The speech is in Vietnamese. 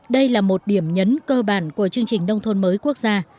đây là một điểm nhấn cơ bản của chương trình nông thôn mới quốc gia